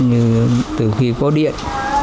như từ khi có điện